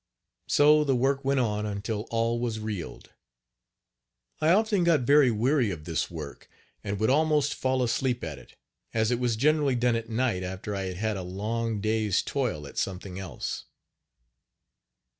So the work went on until all was reeled. I often got very weary of this work and would almost fall asleep at it, as it was generally done at night after I had had a long day's toil at something else.